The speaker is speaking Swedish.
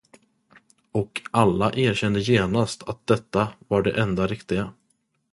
Och alla erkände genast att detta var det enda riktiga.